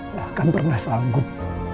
bahkan pernah sanggup